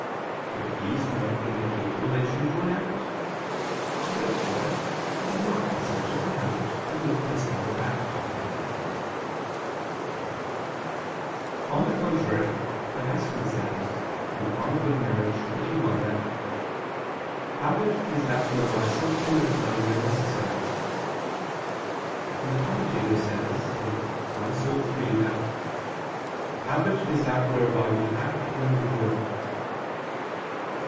But these do not indicate relation to an act. Therefore it is not essential to habit to be a principle of act. On the contrary, Augustine says (De Bono Conjug. xxi) that "habit is that whereby something is done when necessary." And the Commentator says (De Anima iii) that "habit is that whereby we act when we will."